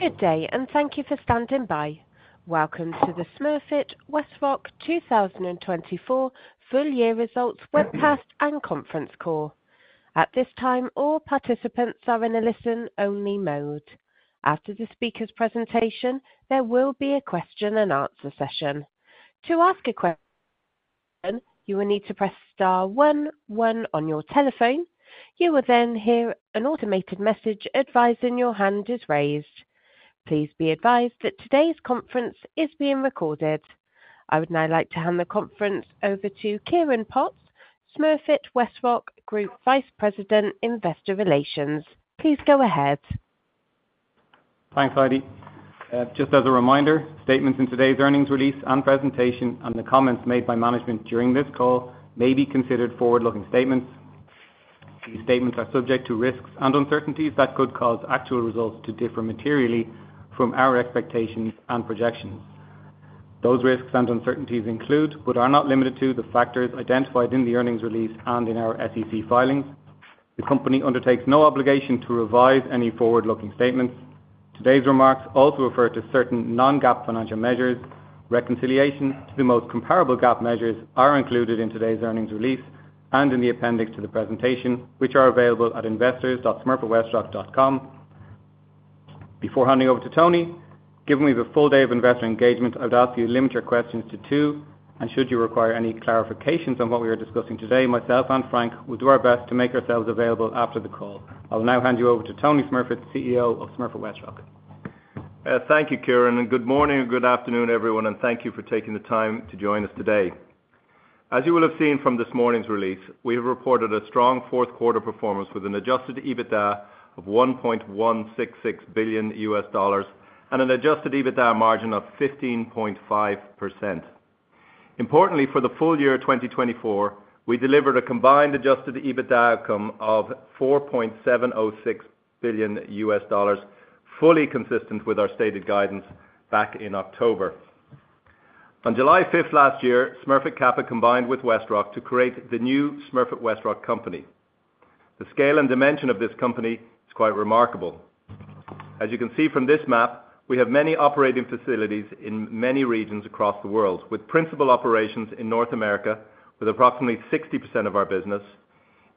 Good day, and thank you for standing by. Welcome to the Smurfit WestRock 2024 full-year results webcast and conference call. At this time, all participants are in a listen-only mode. After the speaker's presentation, there will be a question-and-answer session. To ask a question, you will need to press star 11 on your telephone. You will then hear an automated message advising your hand is raised. Please be advised that today's conference is being recorded. I would now like to hand the conference over to Ciarán Potts, Smurfit WestRock Group Vice President, Investor Relations. Please go ahead. Thanks, Heidi. Just as a reminder, statements in today's earnings release and presentation, and the comments made by management during this call, may be considered forward-looking statements. These statements are subject to risks and uncertainties that could cause actual results to differ materially from our expectations and projections. Those risks and uncertainties include, but are not limited to, the factors identified in the earnings release and in our SEC filings. The company undertakes no obligation to revise any forward-looking statements. Today's remarks also refer to certain non-GAAP financial measures. Reconciliation to the most comparable GAAP measures are included in today's earnings release and in the appendix to the presentation, which are available at investors.smurfitwestrock.com. Before handing over to Tony, given we have a full day of investor engagement, I would ask you to limit your questions to two. Should you require any clarifications on what we are discussing today, myself and Frank will do our best to make ourselves available after the call. I will now hand you over to Tony Smurfit, CEO of Smurfit Westrock. Thank you, Ciarán. And good morning and good afternoon, everyone. And thank you for taking the time to join us today. As you will have seen from this morning's release, we have reported a strong fourth-quarter performance with an adjusted EBITDA of $1.166 billion and an adjusted EBITDA margin of 15.5%. Importantly, for the full year 2024, we delivered a combined adjusted EBITDA outcome of $4.706 billion, fully consistent with our stated guidance back in October. On July 5th last year, Smurfit Kappa combined with WestRock to create the new Smurfit Westrock Company. The scale and dimension of this company is quite remarkable. As you can see from this map, we have many operating facilities in many regions across the world, with principal operations in North America, with approximately 60% of our business,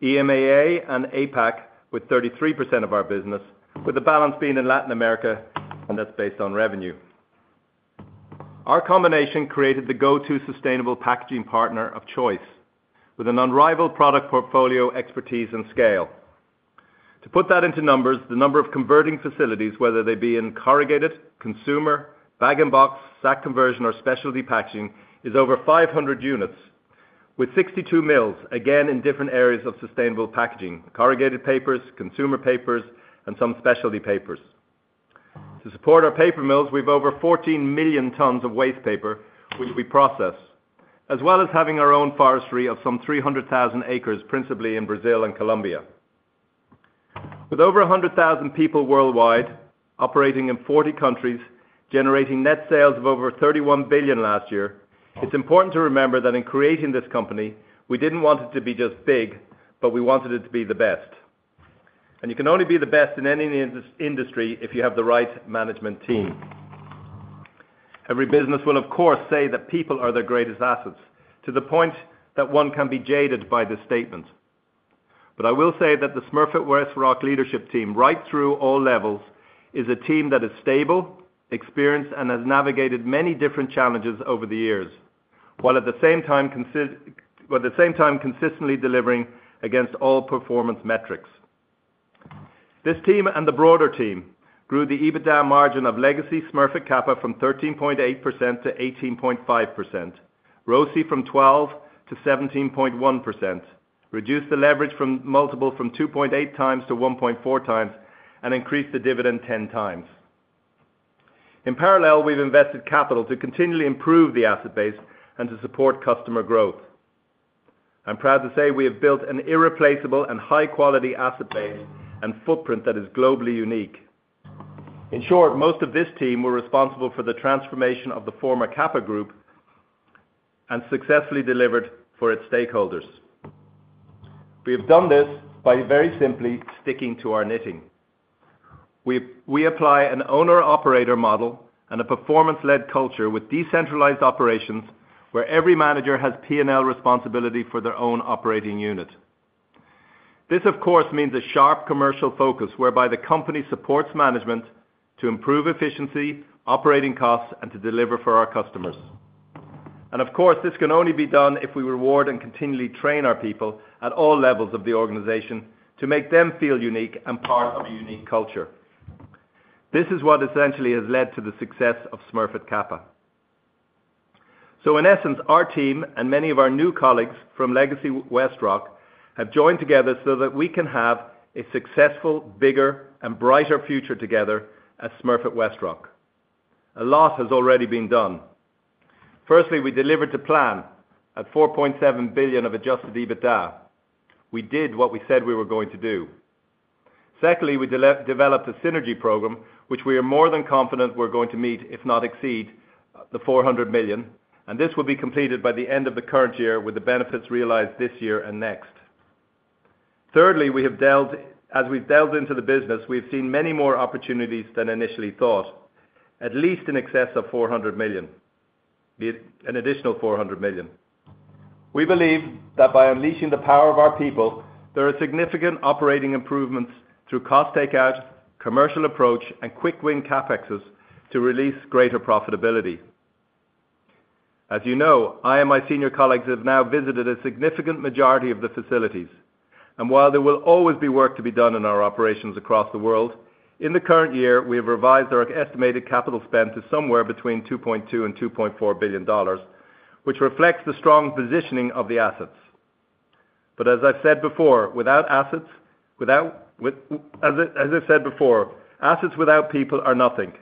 EMEA and APAC with 33% of our business, with the balance being in Latin America, and that's based on revenue. Our combination created the go-to sustainable packaging partner of choice, with an unrivaled product portfolio, expertise, and scale. To put that into numbers, the number of converting facilities, whether they be in corrugated, consumer, bag-in-box, sack conversion, or specialty packaging, is over 500 units, with 62 mills, again, in different areas of sustainable packaging: corrugated papers, consumer papers, and some specialty papers. To support our paper mills, we have over 14 million tons of waste paper, which we process, as well as having our own forestry of some 300,000 acres, principally in Brazil and Colombia. With over 100,000 people worldwide, operating in 40 countries, generating net sales of over $31 billion last year, it's important to remember that in creating this company, we didn't want it to be just big, but we wanted it to be the best. And you can only be the best in any industry if you have the right management team. Every business will, of course, say that people are their greatest assets, to the point that one can be jaded by this statement. But I will say that the Smurfit Westrock leadership team, right through all levels, is a team that is stable, experienced, and has navigated many different challenges over the years, while at the same time consistently delivering against all performance metrics. This team and the broader team grew the EBITDA margin of legacy Smurfit Kappa from 13.8%-18.5%, ROCE from 12%-17.1%, reduced the leverage multiple from 2.8 times-1.4 times, and increased the dividend 10 times. In parallel, we've invested capital to continually improve the asset base and to support customer growth. I'm proud to say we have built an irreplaceable and high-quality asset base and footprint that is globally unique. In short, most of this team were responsible for the transformation of the former Kappa Group and successfully delivered for its stakeholders. We have done this by very simply sticking to our knitting. We apply an owner-operator model and a performance-led culture with decentralized operations where every manager has P&L responsibility for their own operating unit. This, of course, means a sharp commercial focus whereby the company supports management to improve efficiency, operating costs, and to deliver for our customers, and of course, this can only be done if we reward and continually train our people at all levels of the organization to make them feel unique and part of a unique culture. This is what essentially has led to the success of Smurfit Kappa, so in essence, our team and many of our new colleagues from legacy WestRock have joined together so that we can have a successful, bigger, and brighter future together as Smurfit Westrock. A lot has already been done. Firstly, we delivered the plan at $4.7 billion of Adjusted EBITDA. We did what we said we were going to do. Secondly, we developed a synergy program, which we are more than confident we're going to meet, if not exceed, the $400 million. This will be completed by the end of the current year, with the benefits realized this year and next. Thirdly, as we've delved into the business, we've seen many more opportunities than initially thought, at least in excess of $400 million, an additional $400 million. We believe that by unleashing the power of our people, there are significant operating improvements through cost takeout, commercial approach, and quick-win CapExs to release greater profitability. As you know, I and my senior colleagues have now visited a significant majority of the facilities. And while there will always be work to be done in our operations across the world, in the current year, we have revised our estimated capital spend to somewhere between $2.2 and $2.4 billion, which reflects the strong positioning of the assets. But as I've said before, without assets, as I've said before, assets without people are nothing.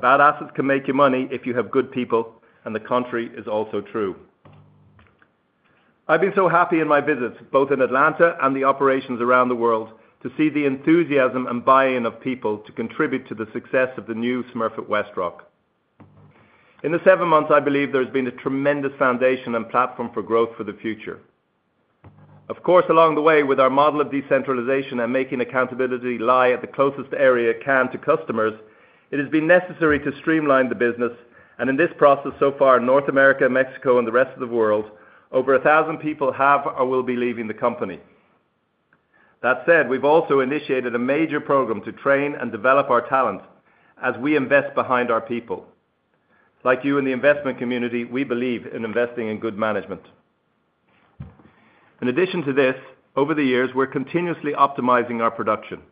Bad assets can make you money if you have good people, and the contrary is also true. I've been so happy in my visits, both in Atlanta and the operations around the world, to see the enthusiasm and buy-in of people to contribute to the success of the new Smurfit Westrock. In the seven months, I believe there has been a tremendous foundation and platform for growth for the future. Of course, along the way, with our model of decentralization and making accountability lie at the closest area it can to customers, it has been necessary to streamline the business. And in this process so far, North America, Mexico, and the rest of the world, over 1,000 people have or will be leaving the company. That said, we've also initiated a major program to train and develop our talent as we invest behind our people. Like you in the investment community, we believe in investing in good management. In addition to this, over the years, we're continuously optimizing our production.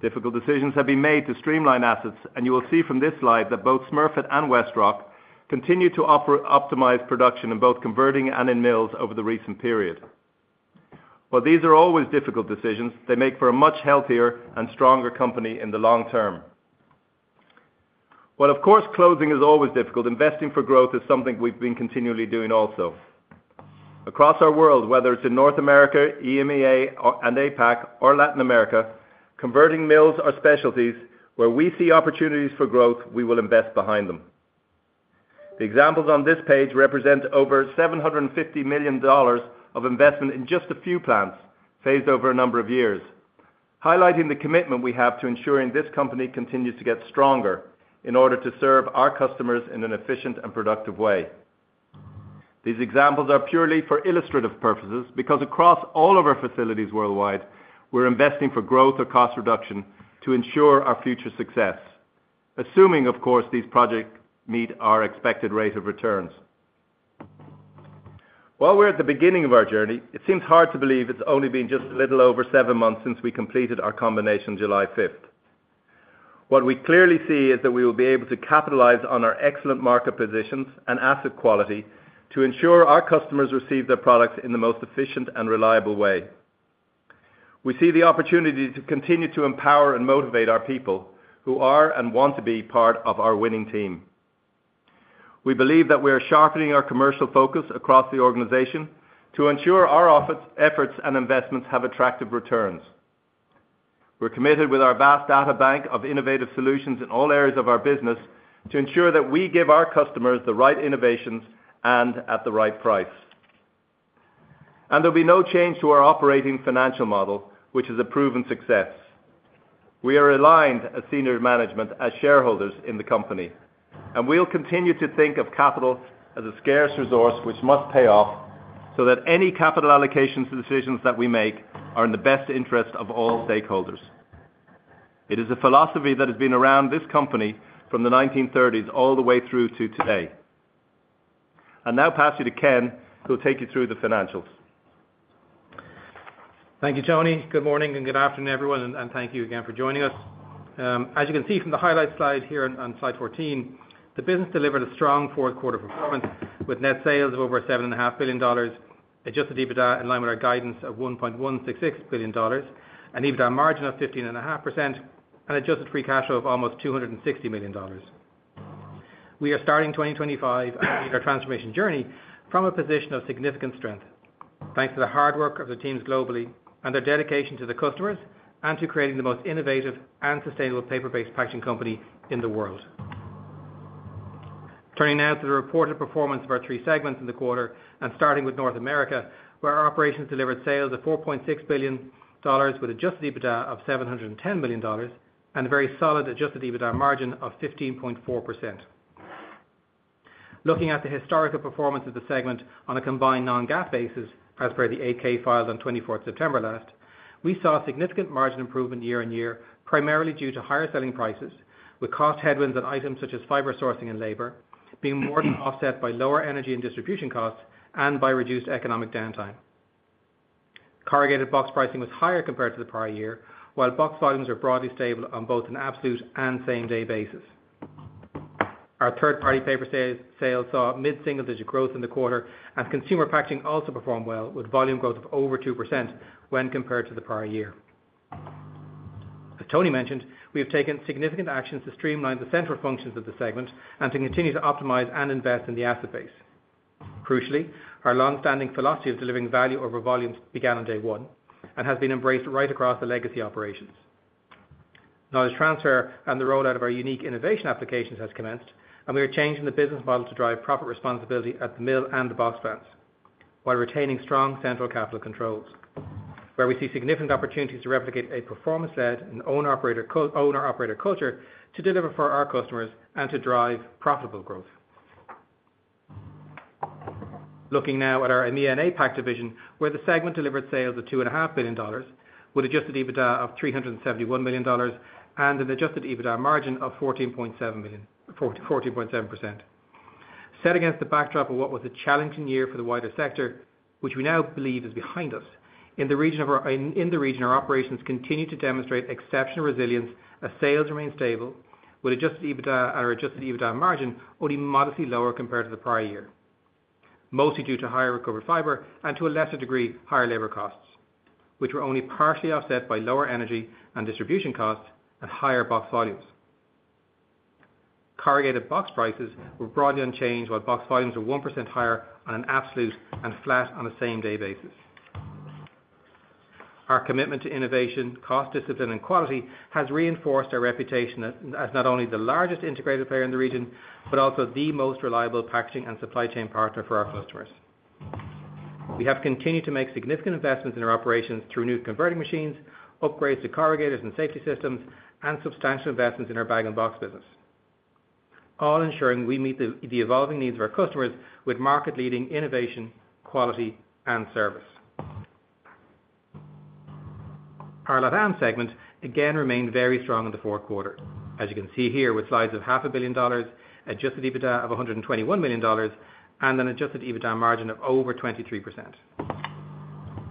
Difficult decisions have been made to streamline assets, and you will see from this slide that both Smurfit and Westrock continue to optimize production in both converting and in mills over the recent period. While these are always difficult decisions, they make for a much healthier and stronger company in the long term. While, of course, closing is always difficult, investing for growth is something we've been continually doing also. Across our world, whether it's in North America, EMEA, and APAC, or Latin America, converting mills are specialties where we see opportunities for growth. We will invest behind them. The examples on this page represent over $750 million of investment in just a few plants phased over a number of years, highlighting the commitment we have to ensuring this company continues to get stronger in order to serve our customers in an efficient and productive way. These examples are purely for illustrative purposes because across all of our facilities worldwide, we're investing for growth or cost reduction to ensure our future success, assuming, of course, these projects meet our expected rate of returns. While we're at the beginning of our journey, it seems hard to believe it's only been just a little over seven months since we completed our combination July 5th. What we clearly see is that we will be able to capitalize on our excellent market positions and asset quality to ensure our customers receive their products in the most efficient and reliable way. We see the opportunity to continue to empower and motivate our people who are and want to be part of our winning team. We believe that we are sharpening our commercial focus across the organization to ensure our efforts and investments have attractive returns. We're committed with our vast data bank of innovative solutions in all areas of our business to ensure that we give our customers the right innovations and at the right price, and there'll be no change to our operating financial model, which is a proven success. We are aligned as senior management, as shareholders in the company, and we'll continue to think of capital as a scarce resource which must pay off so that any capital allocations and decisions that we make are in the best interest of all stakeholders. It is a philosophy that has been around this company from the 1930s all the way through to today. And now, pass you to Ken, who'll take you through the financials. Thank you, Tony. Good morning and good afternoon, everyone. And thank you again for joining us. As you can see from the highlight slide here on slide 14, the business delivered a strong fourth-quarter performance with net sales of over $7.5 billion, adjusted EBITDA in line with our guidance of $1.166 billion, an EBITDA margin of 15.5%, and adjusted free cash flow of almost $260 million. We are starting 2025 and beginning our transformation journey from a position of significant strength, thanks to the hard work of the teams globally and their dedication to the customers and to creating the most innovative and sustainable paper-based packaging company in the world. Turning now to the reported performance of our three segments in the quarter, and starting with North America, where our operations delivered sales of $4.6 billion with adjusted EBITDA of $710 million and a very solid adjusted EBITDA margin of 15.4%. Looking at the historical performance of the segment on a combined non-GAAP basis, as per the 8-K filed on 24th September last, we saw significant margin improvement year-on-year, primarily due to higher selling prices, with cost headwinds on items such as fiber sourcing and labor being more than offset by lower energy and distribution costs and by reduced economic downtime. Corrugated box pricing was higher compared to the prior year, while box volumes were broadly stable on both an absolute and same-day basis. Our third-party paper sales saw mid-single-digit growth in the quarter, and consumer packaging also performed well, with volume growth of over 2% when compared to the prior year. As Tony mentioned, we have taken significant actions to streamline the central functions of the segment and to continue to optimize and invest in the asset base. Crucially, our long-standing philosophy of delivering value over volumes began on day one and has been embraced right across the legacy operations. Knowledge transfer and the rollout of our unique innovation applications has commenced, and we are changing the business model to drive profit responsibility at the mill and the box plants while retaining strong central capital controls, where we see significant opportunities to replicate a performance-led and owner-operator culture to deliver for our customers and to drive profitable growth. Looking now at our EMEA and APAC division, where the segment delivered sales of $2.5 billion with adjusted EBITDA of $371 million and an adjusted EBITDA margin of 14.7%. Set against the backdrop of what was a challenging year for the wider sector, which we now believe is behind us, in the region, our operations continue to demonstrate exceptional resilience as sales remain stable, with adjusted EBITDA and our adjusted EBITDA margin only modestly lower compared to the prior year, mostly due to higher recovered fiber and, to a lesser degree, higher labor costs, which were only partially offset by lower energy and distribution costs and higher box volumes. Corrugated box prices were broadly unchanged, while box volumes were 1% higher on an absolute and flat on a same-day basis. Our commitment to innovation, cost discipline, and quality has reinforced our reputation as not only the largest integrated player in the region but also the most reliable packaging and supply chain partner for our customers. We have continued to make significant investments in our operations through new converting machines, upgrades to corrugators and safety systems, and substantial investments in our bag-in-box business, all ensuring we meet the evolving needs of our customers with market-leading innovation, quality, and service. Our LATAM segment again remained very strong in the fourth quarter, as you can see here, with sales of $500 million, Adjusted EBITDA of $121 million, and an Adjusted EBITDA margin of over 23%.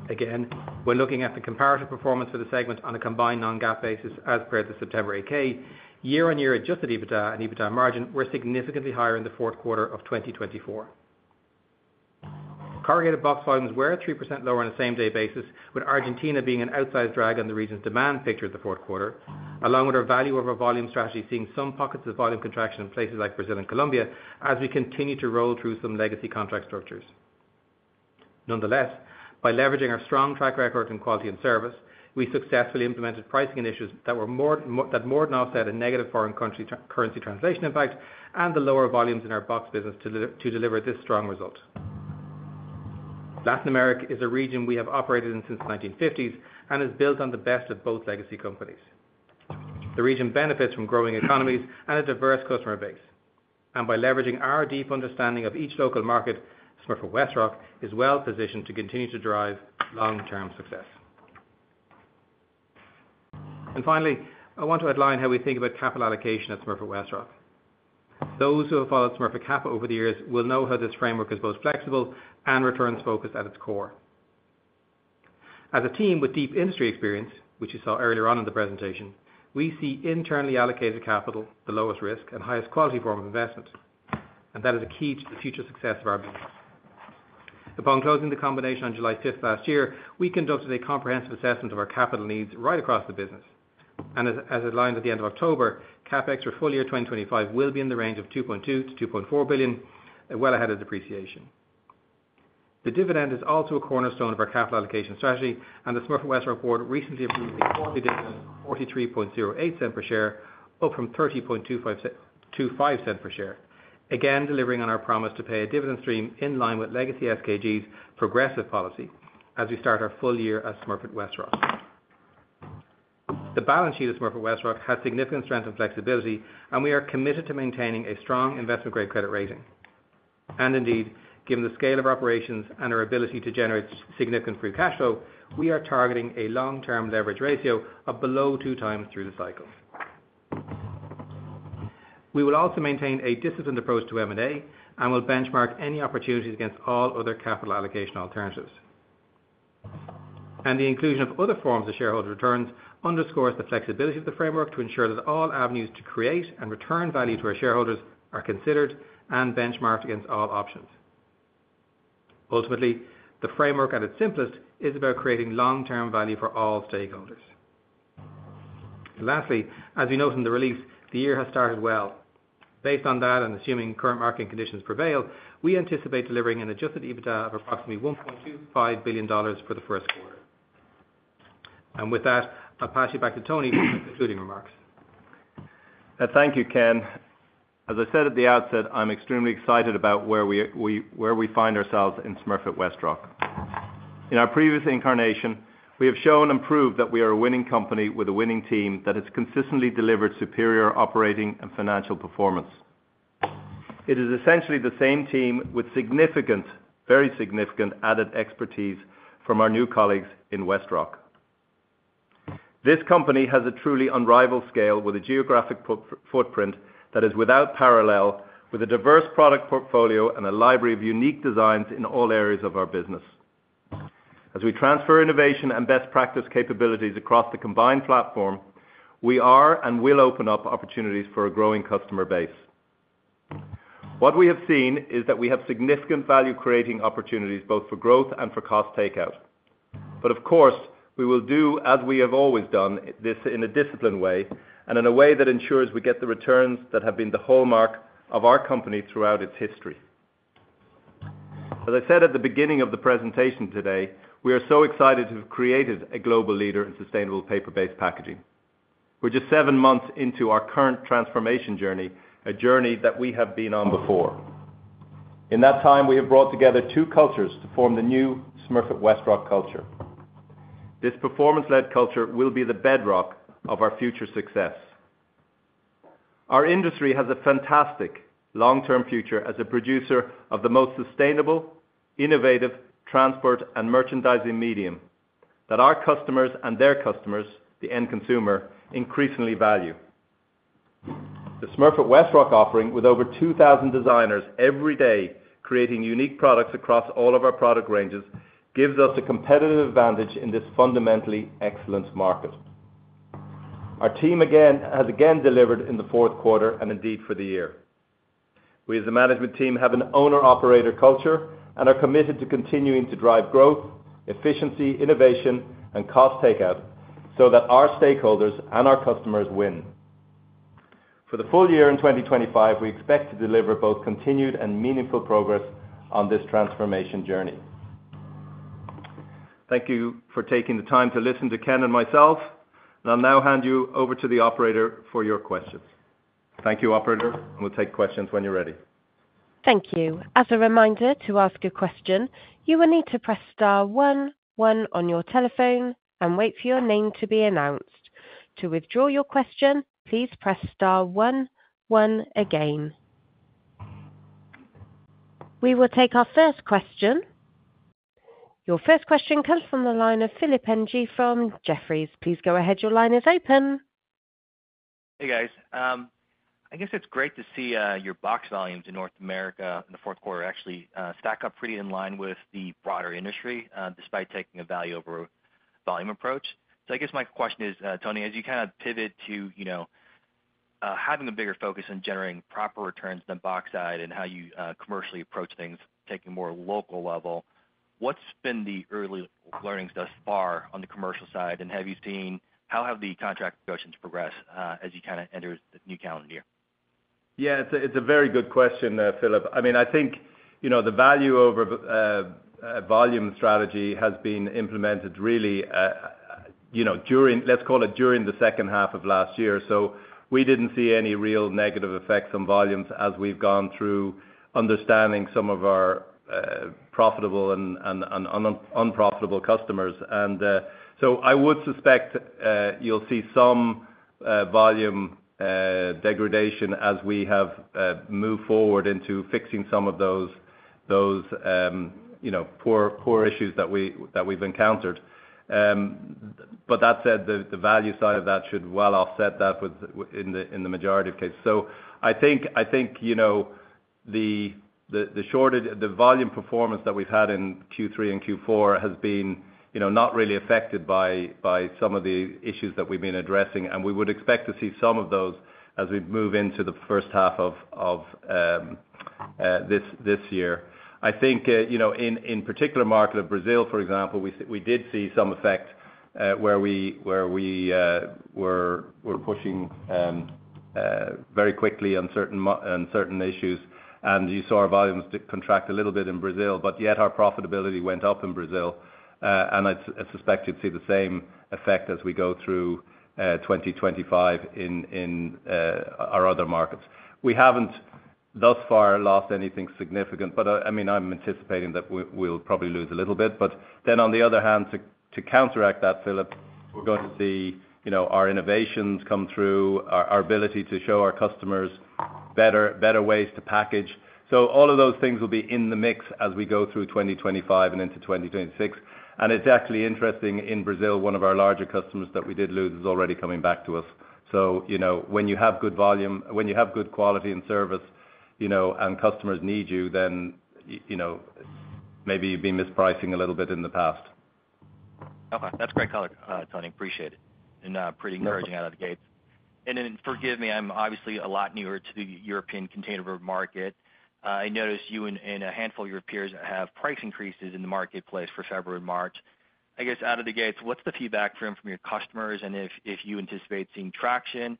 Again, when looking at the comparative performance for the segment on a combined non-GAAP basis as per the September 8-K, year-on-year Adjusted EBITDA and EBITDA margin were significantly higher in the fourth quarter of 2024. Corrugated box volumes were 3% lower on a same-day basis, with Argentina being an outsized drag on the region's demand picture of the fourth quarter, along with our value-over-volume strategy seeing some pockets of volume contraction in places like Brazil and Colombia as we continue to roll through some legacy contract structures. Nonetheless, by leveraging our strong track record in quality and service, we successfully implemented pricing initiatives that more than offset a negative foreign currency translation impact and the lower volumes in our box business to deliver this strong result. Latin America is a region we have operated in since the 1950s and is built on the best of both legacy companies. The region benefits from growing economies and a diverse customer base, and by leveraging our deep understanding of each local market, Smurfit Westrock is well-positioned to continue to drive long-term success, and finally, I want to outline how we think about capital allocation at Smurfit Westrock. Those who have followed Smurfit Kappa over the years will know how this framework is both flexible and returns-focused at its core. As a team with deep industry experience, which you saw earlier on in the presentation, we see internally allocated capital the lowest risk and highest quality form of investment, and that is a key to the future success of our business. Upon closing the combination on July 5th last year, we conducted a comprehensive assessment of our capital needs right across the business. As outlined at the end of October, CapEx for full year 2025 will be in the range of $2.2-$2.4 billion, well ahead of depreciation. The dividend is also a cornerstone of our capital allocation strategy, and the Smurfit Westrock board recently approved a quarterly dividend of $0.4308 per share, up from $0.3025 per share, again delivering on our promise to pay a dividend stream in line with legacy SKG's progressive policy as we start our full year at Smurfit Westrock. The balance sheet of Smurfit Westrock has significant strength and flexibility, and we are committed to maintaining a strong investment-grade credit rating. Indeed, given the scale of our operations and our ability to generate significant free cash flow, we are targeting a long-term leverage ratio of below two times through the cycle. We will also maintain a disciplined approach to M&A and will benchmark any opportunities against all other capital allocation alternatives, and the inclusion of other forms of shareholder returns underscores the flexibility of the framework to ensure that all avenues to create and return value to our shareholders are considered and benchmarked against all options. Ultimately, the framework at its simplest is about creating long-term value for all stakeholders. Lastly, as we noted in the release, the year has started well. Based on that and assuming current market conditions prevail, we anticipate delivering an Adjusted EBITDA of approximately $1.25 billion for the first quarter, and with that, I'll pass you back to Tony for some concluding remarks. Thank you, Ken. As I said at the outset, I'm extremely excited about where we find ourselves in Smurfit Westrock. In our previous incarnation, we have shown and proved that we are a winning company with a winning team that has consistently delivered superior operating and financial performance. It is essentially the same team with significant, very significant added expertise from our new colleagues in WestRock. This company has a truly unrivaled scale with a geographic footprint that is without parallel, with a diverse product portfolio and a library of unique designs in all areas of our business. As we transfer innovation and best practice capabilities across the combined platform, we are and will open up opportunities for a growing customer base. What we have seen is that we have significant value-creating opportunities both for growth and for cost takeout. But of course, we will do, as we have always done, this in a disciplined way and in a way that ensures we get the returns that have been the hallmark of our company throughout its history. As I said at the beginning of the presentation today, we are so excited to have created a global leader in sustainable paper-based packaging. We're just seven months into our current transformation journey, a journey that we have been on before. In that time, we have brought together two cultures to form the new Smurfit Westrock culture. This performance-led culture will be the bedrock of our future success. Our industry has a fantastic long-term future as a producer of the most sustainable, innovative transport and merchandising medium that our customers and their customers, the end consumer, increasingly value. The Smurfit Westrock offering, with over 2,000 designers every day creating unique products across all of our product ranges, gives us a competitive advantage in this fundamentally excellent market. Our team has again delivered in the fourth quarter and indeed for the year. We, as a management team, have an owner-operator culture and are committed to continuing to drive growth, efficiency, innovation, and cost takeout so that our stakeholders and our customers win. For the full year in 2025, we expect to deliver both continued and meaningful progress on this transformation journey. Thank you for taking the time to listen to Ken and myself. And I'll now hand you over to the operator for your questions. Thank you, operator. And we'll take questions when you're ready. Thank you. As a reminder to ask a question, you will need to press star 11 on your telephone and wait for your name to be announced. To withdraw your question, please press star 11 again. We will take our first question. Your first question comes from the line of Philip Ng from Jefferies. Please go ahead. Your line is open. Hey, guys. I guess it's great to see your box volumes in North America in the fourth quarter actually stack up pretty in line with the broader industry despite taking a value-over-volume approach. So I guess my question is, Tony, as you kind of pivot to having a bigger focus on generating proper returns than box side and how you commercially approach things, taking a more local level, what's been the early learnings thus far on the commercial side? And have you seen how have the contract progressions progressed as you kind of enter the new calendar year? Yeah, it's a very good question, Philip. I mean, I think the value-over-volume strategy has been implemented really during, let's call it, during the second half of last year. So we didn't see any real negative effects on volumes as we've gone through understanding some of our profitable and unprofitable customers. And so I would suspect you'll see some volume degradation as we have moved forward into fixing some of those core issues that we've encountered. But that said, the value side of that should well offset that in the majority of cases. So I think the volume performance that we've had in Q3 and Q4 has been not really affected by some of the issues that we've been addressing. And we would expect to see some of those as we move into the first half of this year. I think in particular, market of Brazil, for example, we did see some effect where we were pushing very quickly on certain issues, and you saw our volumes contract a little bit in Brazil, but yet our profitability went up in Brazil. I suspect you'd see the same effect as we go through 2025 in our other markets. We haven't thus far lost anything significant, but I mean, I'm anticipating that we'll probably lose a little bit. Then, on the other hand, to counteract that, Philip, we're going to see our innovations come through, our ability to show our customers better ways to package. So all of those things will be in the mix as we go through 2025 and into 2026, and it's actually interesting, in Brazil, one of our larger customers that we did lose is already coming back to us. So when you have good volume, when you have good quality and service and customers need you, then maybe you've been mispricing a little bit in the past. Okay. That's great color, Tony. Appreciate it. And pretty encouraging out of the gates. And then forgive me. I'm obviously a lot newer to the European container board market. I noticed you and a handful of your peers have price increases in the marketplace for February and March. I guess out of the gates, what's the feedback from your customers? And if you anticipate seeing traction?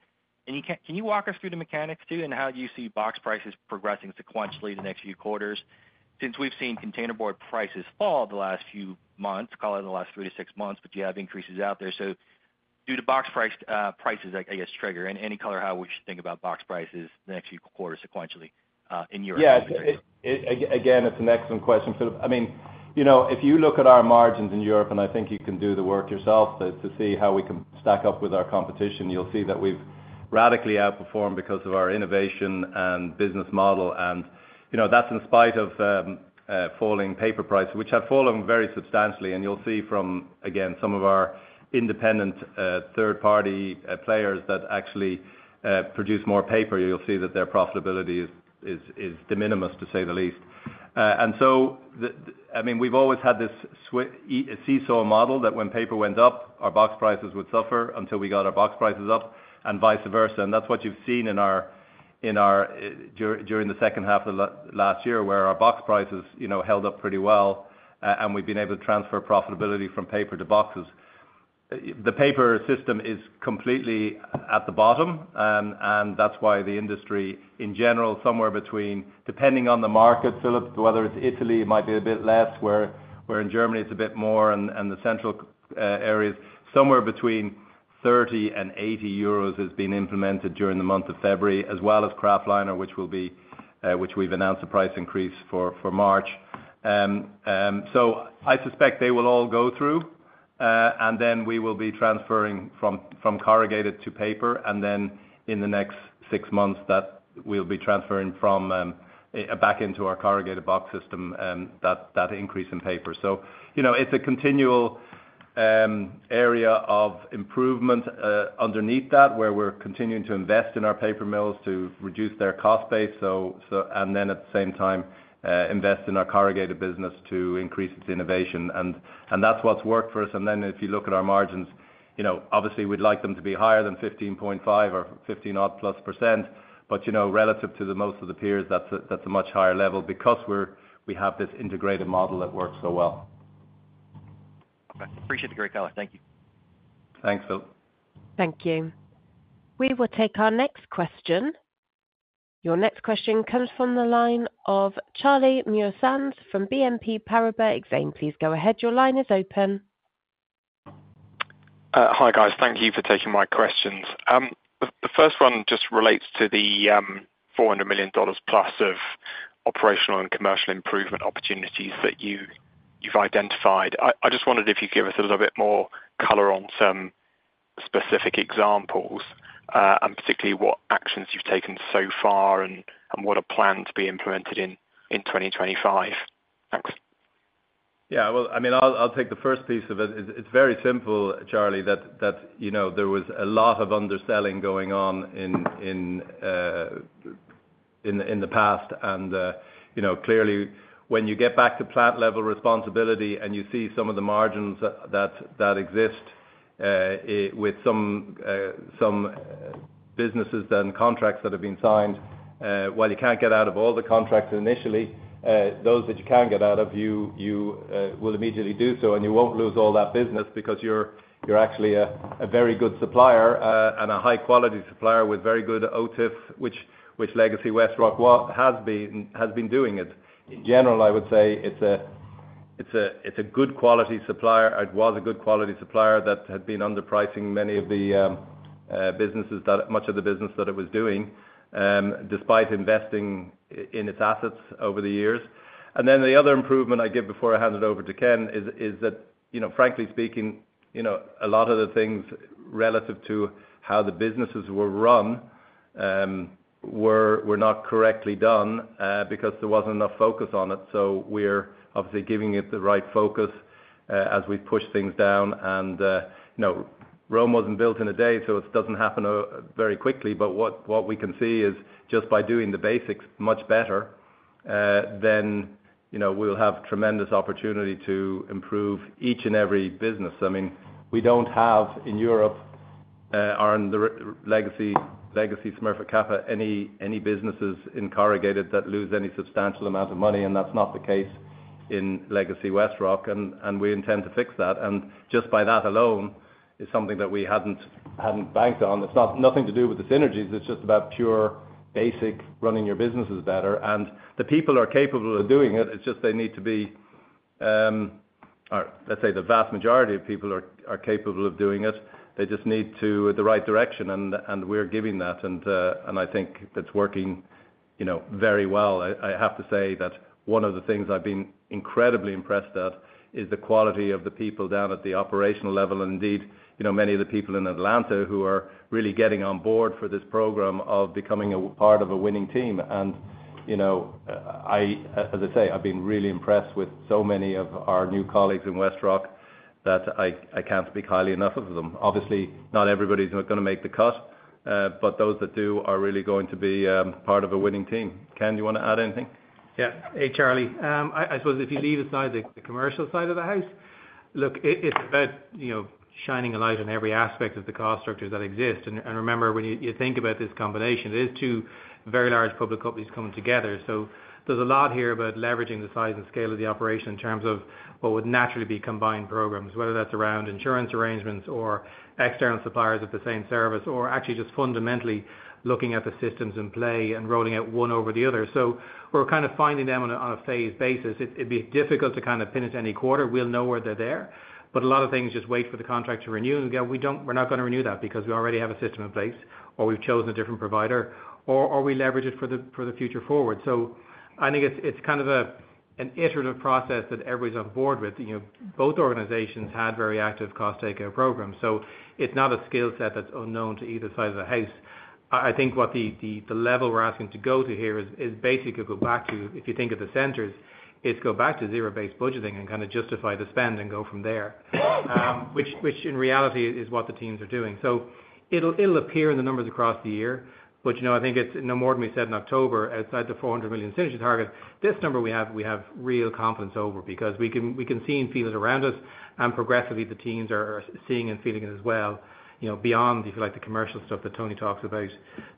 And can you walk us through the mechanics too and how you see box prices progressing sequentially the next few quarters? Since we've seen container board prices fall the last few months, call it the last three to six months, but you have increases out there. So do the box prices, I guess, trigger? And any color, how would you think about box prices the next few quarters sequentially in Europe? Yeah. Again, it's an excellent question, Philip. I mean, if you look at our margins in Europe, and I think you can do the work yourself to see how we can stack up with our competition, you'll see that we've radically outperformed because of our innovation and business model. And that's in spite of falling paper prices, which have fallen very substantially. And you'll see from, again, some of our independent third-party players that actually produce more paper, you'll see that their profitability is de minimis, to say the least. And so, I mean, we've always had this seesaw model that when paper went up, our box prices would suffer until we got our box prices up and vice versa. And that's what you've seen during the second half of last year where our box prices held up pretty well, and we've been able to transfer profitability from paper to boxes. The paper system is completely at the bottom, and that's why the industry, in general, somewhere between, depending on the market, Philip, whether it's Italy, it might be a bit less, where in Germany it's a bit more, and the central areas, somewhere between 30 and 80 euros has been implemented during the month of February, as well as Kraftliner, which we've announced a price increase for March. So I suspect they will all go through, and then we will be transferring from corrugated to paper. And then in the next six months, that we'll be transferring back into our corrugated box system, that increase in paper. So it's a continual area of improvement underneath that where we're continuing to invest in our paper mills to reduce their cost base. And then at the same time, invest in our corrugated business to increase its innovation. And that's what's worked for us. And then if you look at our margins, obviously, we'd like them to be higher than 15.5% or 15-odd plus %. But relative to most of the peers, that's a much higher level because we have this integrated model that works so well. Okay. Appreciate the great color. Thank you. Thanks, Philip. Thank you. We will take our next question. Your next question comes from the line of Charlie Muress from BNP Paribas. Xavier, please go ahead. Your line is open. Hi, guys. Thank you for taking my questions. The first one just relates to the $400 million plus of operational and commercial improvement opportunities that you've identified. I just wondered if you could give us a little bit more color on some specific examples and particularly what actions you've taken so far and what are planned to be implemented in 2025? Thanks. Yeah. Well, I mean, I'll take the first piece of it. It's very simple, Charlie, that there was a lot of underselling going on in the past. And clearly, when you get back to plant-level responsibility and you see some of the margins that exist with some businesses and contracts that have been signed, while you can't get out of all the contracts initially, those that you can get out of, you will immediately do so. And you won't lose all that business because you're actually a very good supplier and a high-quality supplier with very good OTIF, which Legacy WestRock has been doing it. In general, I would say it's a good quality supplier. It was a good quality supplier that had been underpricing many of the businesses, much of the business that it was doing, despite investing in its assets over the years. And then the other improvement I give before I hand it over to Ken is that, frankly speaking, a lot of the things relative to how the businesses were run were not correctly done because there wasn't enough focus on it. So we're obviously giving it the right focus as we push things down. And Rome wasn't built in a day, so it doesn't happen very quickly. But what we can see is just by doing the basics much better, then we'll have tremendous opportunity to improve each and every business. I mean, we don't have in Europe, our Legacy Smurfit Kappa, any businesses in corrugated that lose any substantial amount of money. And that's not the case in Legacy WestRock. And we intend to fix that. And just by that alone is something that we hadn't banked on. It's nothing to do with the synergies. It's just about pure basic running your businesses better. And the people are capable of doing it. It's just they need to be, let's say the vast majority of people are capable of doing it. They just need the right direction. And we're giving that. And I think that's working very well. I have to say that one of the things I've been incredibly impressed at is the quality of the people down at the operational level. And indeed, many of the people in Atlanta who are really getting on board for this program of becoming a part of a winning team. And as I say, I've been really impressed with so many of our new colleagues in WestRock that I can't speak highly enough of them. Obviously, not everybody's going to make the cut, but those that do are really going to be part of a winning team. Ken, you want to add anything? Yeah. Hey, Charlie. I suppose if you leave aside the commercial side of the house, look, it's about shining a light on every aspect of the cost structures that exist, and remember, when you think about this combination, it is two very large public companies coming together, so there's a lot here about leveraging the size and scale of the operation in terms of what would naturally be combined programs, whether that's around insurance arrangements or external suppliers of the same service or actually just fundamentally looking at the systems in play and rolling out one over the other, so we're kind of finding them on a phased basis. It'd be difficult to kind of pin it to any quarter. We'll know where they're there, but a lot of things just wait for the contract to renew. And again, we're not going to renew that because we already have a system in place or we've chosen a different provider or we leverage it for the future forward. So I think it's kind of an iterative process that everybody's on board with. Both organizations had very active cost-take-out programs. So it's not a skill set that's unknown to either side of the house. I think what the level we're asking to go to here is basically to go back to, if you think of the centers, it's go back to zero-based budgeting and kind of justify the spend and go from there, which in reality is what the teams are doing. So it'll appear in the numbers across the year. But I think it's no more than we said in October, outside the $400 million synergy target. This number we have real confidence over because we can see and feel it around us. And progressively, the teams are seeing and feeling it as well beyond, if you like, the commercial stuff that Tony talks about.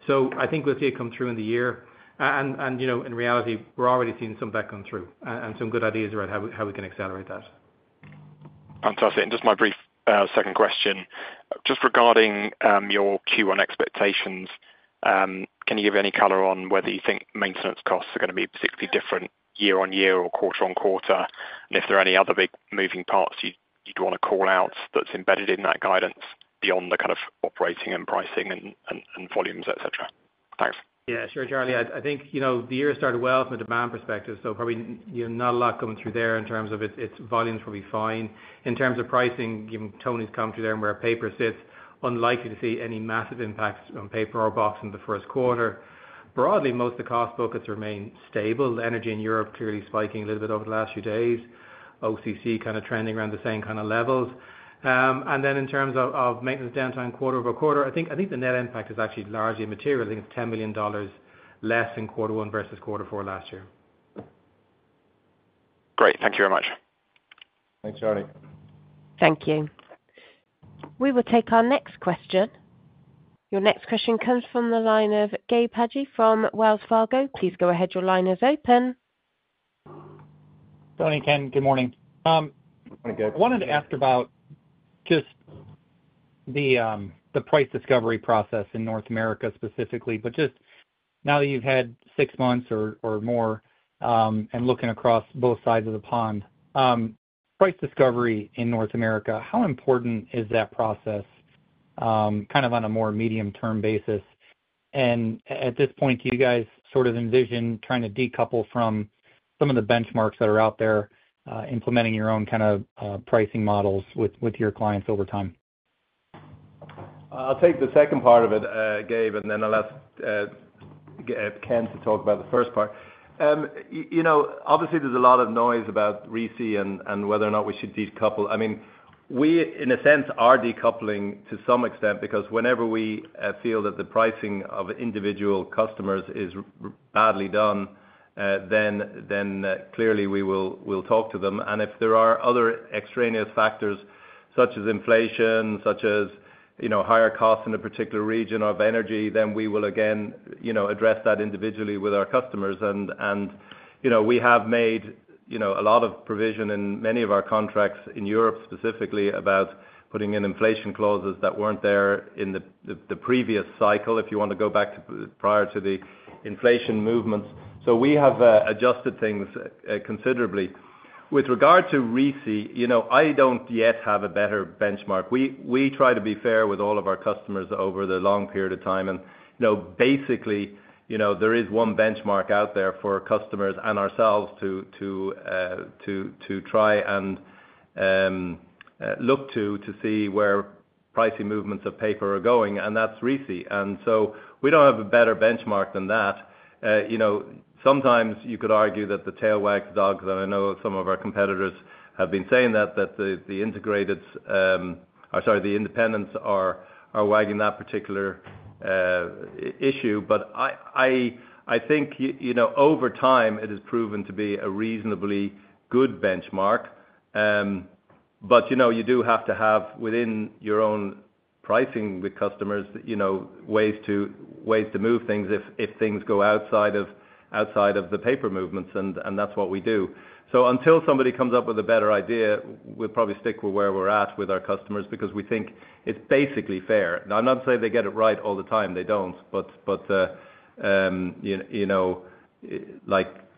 So I think we'll see it come through in the year. And in reality, we're already seeing some of that come through and some good ideas around how we can accelerate that. Fantastic. And just my brief second question, just regarding your Q1 expectations, can you give any color on whether you think maintenance costs are going to be particularly different year on year or quarter on quarter? And if there are any other big moving parts you'd want to call out that's embedded in that guidance beyond the kind of operating and pricing and volumes, etc.? Thanks. Yeah. Sure, Charlie. I think the year started well from a demand perspective. So probably not a lot coming through there in terms of its volumes will be fine. In terms of pricing, given Tony's come through there and where paper sits, unlikely to see any massive impacts on paper or box in the first quarter. Broadly, most of the cost focus remained stable. The energy in Europe clearly spiking a little bit over the last few days. OCC kind of trending around the same kind of levels. And then in terms of maintenance downtime quarter over quarter, I think the net impact is actually largely material. I think it's $10 million less in quarter one versus quarter four last year. Great. Thank you very much. Thanks, Charlie. Thank you. We will take our next question. Your next question comes from the line of Gabe Hajde from Wells Fargo. Please go ahead. Your line is open. Tony, Ken, good morning. Morning, Gabe. I wanted to ask about just the price discovery process in North America specifically. But just now that you've had six months or more and looking across both sides of the pond, price discovery in North America, how important is that process kind of on a more medium-term basis? And at this point, do you guys sort of envision trying to decouple from some of the benchmarks that are out there, implementing your own kind of pricing models with your clients over time? I'll take the second part of it, Gabe, and then I'll ask Ken to talk about the first part. Obviously, there's a lot of noise about RISI and whether or not we should decouple. I mean, we in a sense are decoupling to some extent because whenever we feel that the pricing of individual customers is badly done, then clearly we will talk to them. And if there are other extraneous factors such as inflation, such as higher costs in a particular region of energy, then we will again address that individually with our customers. And we have made a lot of provision in many of our contracts in Europe specifically about putting in inflation clauses that weren't there in the previous cycle, if you want to go back prior to the inflation movements. So we have adjusted things considerably. With regard to RISI, I don't yet have a better benchmark. We try to be fair with all of our customers over the long period of time. And basically, there is one benchmark out there for customers and ourselves to try and look to to see where pricing movements of paper are going. And that's RISI. And so we don't have a better benchmark than that. Sometimes you could argue that the tail wags dogs, and I know some of our competitors have been saying that, that the integrated or sorry, the independents are wagging that particular issue. But I think over time, it has proven to be a reasonably good benchmark. But you do have to have within your own pricing with customers ways to move things if things go outside of the paper movements. And that's what we do. So until somebody comes up with a better idea, we'll probably stick with where we're at with our customers because we think it's basically fair. I'm not saying they get it right all the time. They don't. But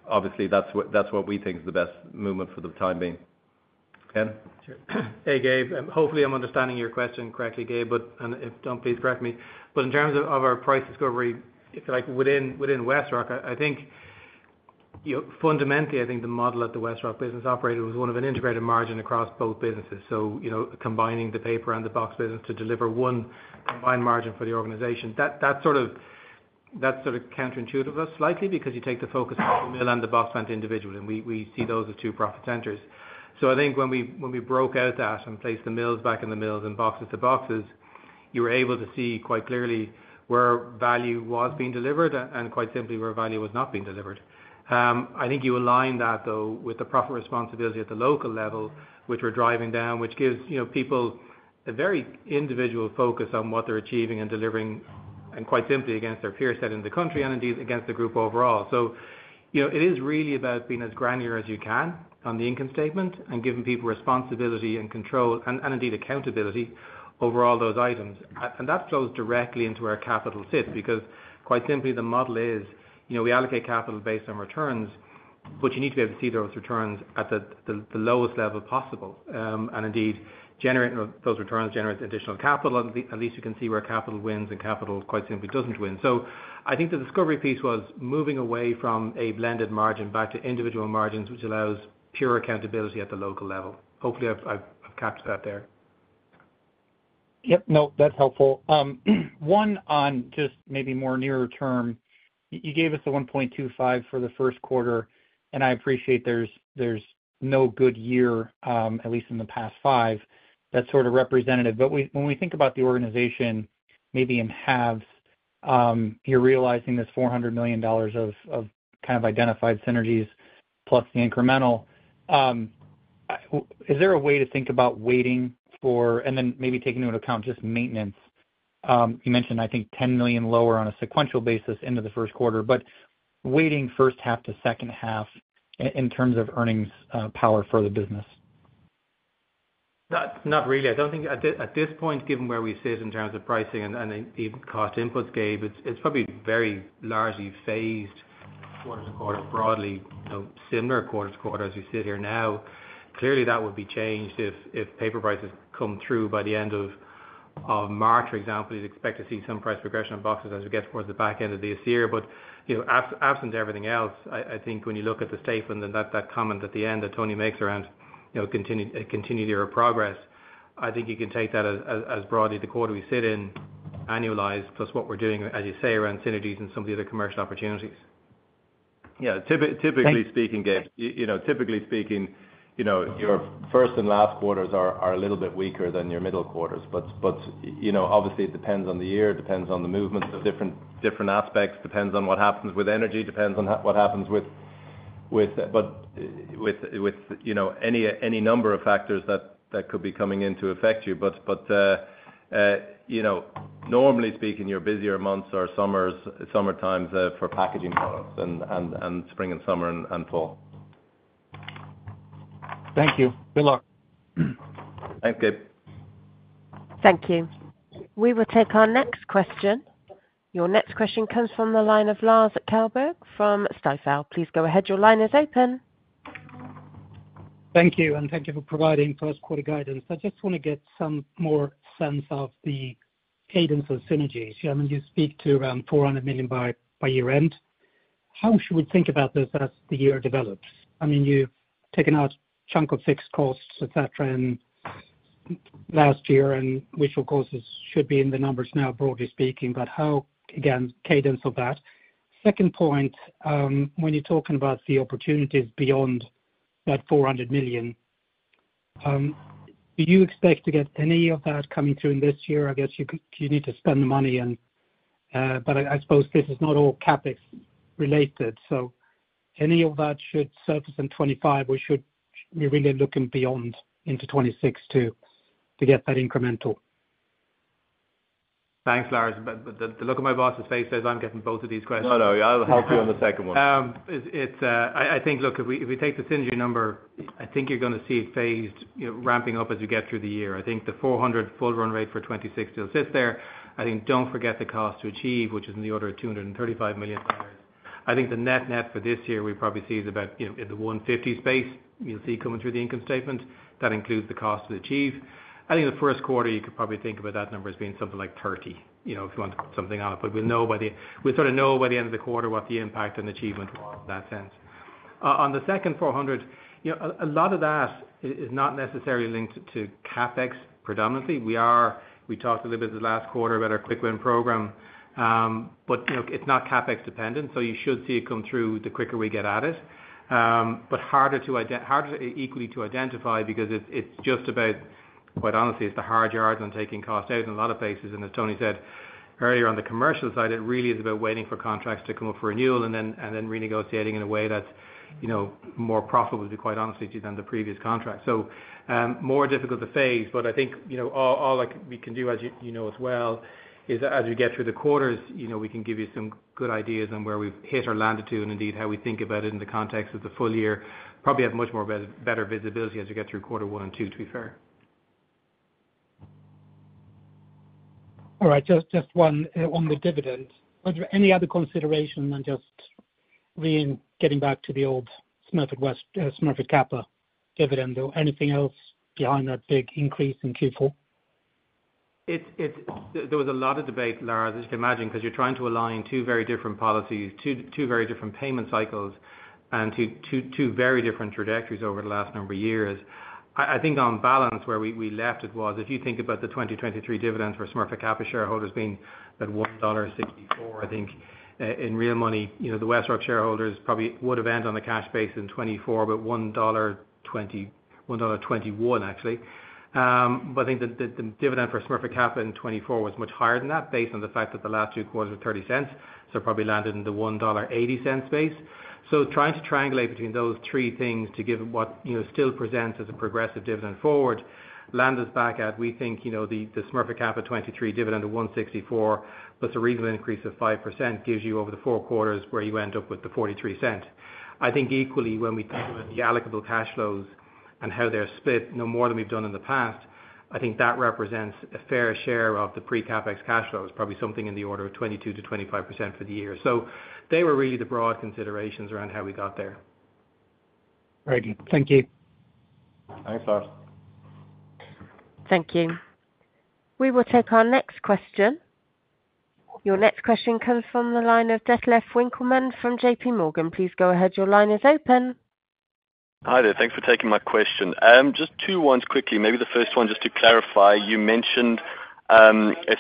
obviously, that's what we think is the best movement for the time being. Ken? Sure. Hey, Gabe. Hopefully, I'm understanding your question correctly, Gabe. And if I don't, please correct me. But in terms of our price discovery within Westrock, I think fundamentally, I think the model at the Westrock business operator was one of an integrated margin across both businesses. So combining the paper and the box business to deliver one combined margin for the organization, that's sort of counterintuitive of us slightly because you take the focus on the mill and the box plant individually. And we see those as two profit centers. So I think when we broke out that and placed the mills back in the mills and boxes to boxes, you were able to see quite clearly where value was being delivered and quite simply where value was not being delivered. I think you align that, though, with the profit responsibility at the local level, which we're driving down, which gives people a very individual focus on what they're achieving and delivering and quite simply against their peer set in the country and indeed against the group overall. So it is really about being as granular as you can on the income statement and giving people responsibility and control and indeed accountability over all those items. And that flows directly into where capital sits because quite simply, the model is we allocate capital based on returns, but you need to be able to see those returns at the lowest level possible. And indeed, generating those returns generates additional capital. At least you can see where capital wins and capital quite simply doesn't win. So I think the discovery piece was moving away from a blended margin back to individual margins, which allows pure accountability at the local level. Hopefully, I've captured that there. Yep. No, that's helpful. One on just maybe more nearer term. You gave us a 1.25 for the first quarter. And I appreciate there's no good year, at least in the past five, that's sort of representative. But when we think about the organization maybe in halves, you're realizing this $400 million of kind of identified synergies plus the incremental. Is there a way to think about weighting for and then maybe taking into account just maintenance? You mentioned, I think, 10 million lower on a sequential basis into the first quarter. But weighting first half to second half in terms of earnings power for the business? Not really. I don't think at this point, given where we sit in terms of pricing and the cost inputs, Gabe, it's probably very largely phased quarter to quarter, broadly similar quarter to quarter as we sit here now. Clearly, that would be changed if paper prices come through by the end of March, for example. You'd expect to see some price progression on boxes as we get towards the back end of this year, but absent everything else, I think when you look at the statement and that comment at the end that Tony makes around continuity or progress, I think you can take that as broadly the quarter we sit in annualized plus what we're doing, as you say, around synergies and some of the other commercial opportunities. Yeah. Typically speaking, Gabe, typically speaking, your first and last quarters are a little bit weaker than your middle quarters. But obviously, it depends on the year. It depends on the movements of different aspects. Depends on what happens with energy. Depends on what happens with any number of factors that could be coming in to affect you. But normally speaking, your busier months are summers, summertimes for packaging products and spring and summer and fall. Thank you. Good luck. Thanks, Gabe. Thank you. We will take our next question. Your next question comes from the line of Lars Kjellberg from Stifel. Please go ahead. Your line is open. Thank you and thank you for providing first-quarter guidance. I just want to get some more sense of the cadence of synergies. I mean, you speak to around $400 million by year-end. How should we think about this as the year develops? I mean, you've taken out a chunk of fixed costs, etc., last year, which, of course, should be in the numbers now, broadly speaking. But how, again, cadence of that? Second point, when you're talking about the opportunities beyond that $400 million, do you expect to get any of that coming through in this year? I guess you need to spend the money. But I suppose this is not all CapEx related. So any of that should surface in 2025, or should we really look beyond into 2026 to get that incremental? Thanks, Lars, but the look on my boss's face says I'm getting both of these questions. No, no. I'll help you on the second one. I think, look, if we take the synergy number, I think you're going to see it phased ramping up as we get through the year. I think the 400 full-run rate for 2026 still sits there. I think don't forget the cost to achieve, which is in the order of $235 million. I think the net-net for this year, we probably see is about in the 150 space you'll see coming through the income statement. That includes the cost to achieve. I think the first quarter, you could probably think about that number as being something like 30 if you want to put something on it. But we'll sort of know by the end of the quarter what the impact on achievement was in that sense. On the second 400, a lot of that is not necessarily linked to CapEx predominantly. We talked a little bit this last quarter about our quick win program. But it's not CapEx dependent. So you should see it come through the quicker we get at it. But harder to equally identify because it's just about, quite honestly, it's the hard yards on taking cost out in a lot of places. And as Tony said earlier on the commercial side, it really is about waiting for contracts to come up for renewal and then renegotiating in a way that's more profitable, to be quite honest with you, than the previous contract. So more difficult to phase. But I think all we can do, as you know as well, is that as we get through the quarters, we can give you some good ideas on where we've hit or landed to and indeed how we think about it in the context of the full year. Probably have much more better visibility as we get through quarter one and two, to be fair. All right. Just one on the dividends. Was there any other consideration than just getting back to the old Smurfit Westrock, Smurfit Kappa dividend or anything else behind that big increase in Q4? There was a lot of debate, Lars, as you can imagine, because you're trying to align two very different policies, two very different payment cycles, and two very different trajectories over the last number of years. I think on balance, where we left, it was if you think about the 2023 dividends for Smurfit Kappa shareholders being at $1.64. I think in real money, the WestRock shareholders probably would have ended on the cash base in 2024, but $1.21, actually. But I think the dividend for Smurfit Kappa in 2024 was much higher than that based on the fact that the last two quarters were $0.30. So probably landed in the $1.80 space. So trying to triangulate between those three things to give what still presents as a progressive dividend forward landed us back at, we think, the Smurfit Kappa 2023 dividend of 164 plus a reasonable increase of 5% gives you over the four quarters where you end up with the $0.43. I think equally, when we think about the allocable cash flows and how they're split, no more than we've done in the past, I think that represents a fair share of the pre-CapEx cash flows. Probably something in the order of 22%-25% for the year. So they were really the broad considerations around how we got there. Very good. Thank you. Thanks, Lars. Thank you. We will take our next question. Your next question comes from the line of Detlef Winckelmann from J.P. Morgan. Please go ahead. Your line is open. Hi there. Thanks for taking my question. Just two ones quickly. Maybe the first one, just to clarify, you mentioned a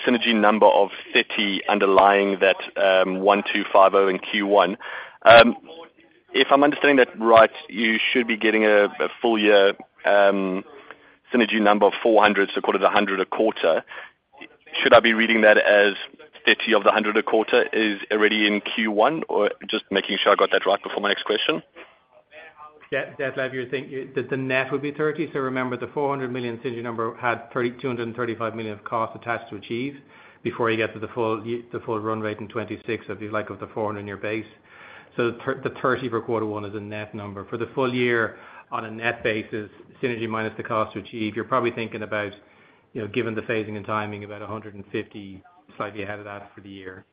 synergy number of 30 underlying that 1, 2, 5, 0, and Q1. If I'm understanding that right, you should be getting a full-year synergy number of 400, so called a 100 a quarter. Should I be reading that as 30 of the 100 a quarter is already in Q1? Or just making sure I got that right before my next question. Detlef, you're saying that the net would be $30 million. So remember, the $400 million synergy number had $235 million of cost attached to achieve before you get to the full run rate in 2026 of the $400 million in your base. So the $30 million for quarter one is a net number. For the full year on a net basis, synergy minus the cost to achieve, you're probably thinking about, given the phasing and timing, about $150 million, slightly ahead of that for the year.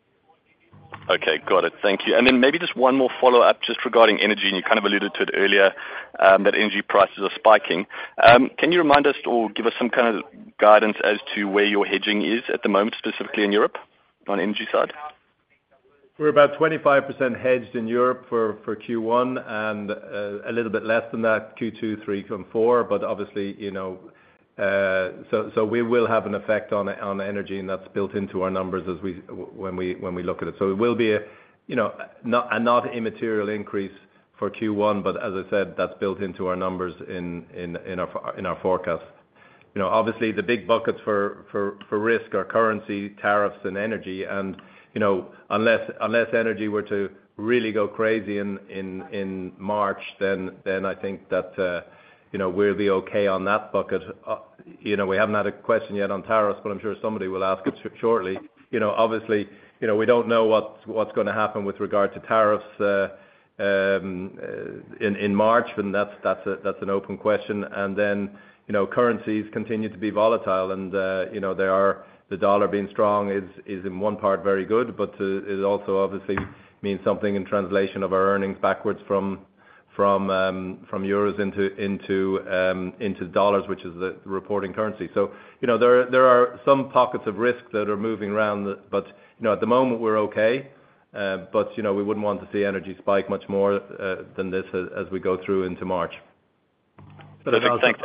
Okay. Got it. Thank you. And then maybe just one more follow-up just regarding energy. And you kind of alluded to it earlier, that energy prices are spiking. Can you remind us or give us some kind of guidance as to where your hedging is at the moment, specifically in Europe on energy side? We're about 25% hedged in Europe for Q1 and a little bit less than that, Q2, Q3, and Q4. But obviously, so we will have an effect on energy, and that's built into our numbers when we look at it. So it will be a not immaterial increase for Q1. But as I said, that's built into our numbers in our forecast. Obviously, the big buckets for risk are currency, tariffs, and energy. And unless energy were to really go crazy in March, then I think that we'll be okay on that bucket. We haven't had a question yet on tariffs, but I'm sure somebody will ask it shortly. Obviously, we don't know what's going to happen with regard to tariffs in March, and that's an open question. And then currencies continue to be volatile. And the dollar being strong is, in one part, very good, but it also obviously means something in translation of our earnings backwards from euros into dollars, which is the reporting currency. So there are some pockets of risk that are moving around. But at the moment, we're okay. But we wouldn't want to see energy spike much more than this as we go through into March. Thanks.